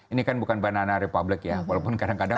ini kan bukan banana republic ya walaupun kadang kadang